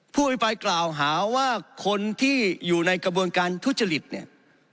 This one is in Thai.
ผู้อภิปรายกล่าวหาว่าคนที่อยู่ในกระบวนการทุจริตเนี่ย